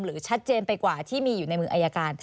ชัดเจนไปกว่าที่มีอยู่ในมืออายการ